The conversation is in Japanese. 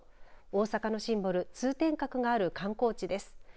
大阪のシンボル通天閣がある観光地です。